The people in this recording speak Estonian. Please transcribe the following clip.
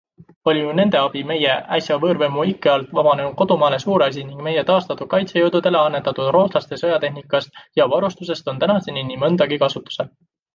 Oli ju nende abi meie äsja võõrvõimu ikke alt vabanenud kodumaale suur asi ning meie taastatud kaitsejõududele annetatud rootslaste sõjatehnikast ja -varustusest on tänaseni nii mõndagi kasutusel.